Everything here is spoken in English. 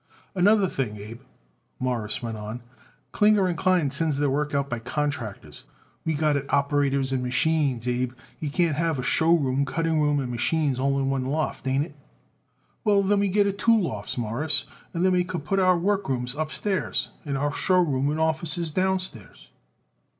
"Another thing, Abe," Morris went on, "Klinger & Klein sends their work out by contractors. We got it operators and machines, Abe, and you can't have a show room, cutting room and machines all in one loft. Ain't it?" "Well, then we get it two lofts, Mawruss, and then we could put our workrooms upstairs and our show room and offices downstairs."